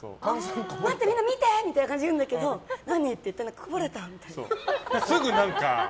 待って、見て！みたいな感じで言うんだけど何？って来るとこぼれたみたいな。